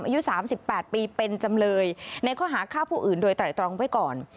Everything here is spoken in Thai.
อายุ๓๘ปีเป็นจำเลยในข้อหาฆ่าผู้อื่นโดยไตรตรองไว้ก่อน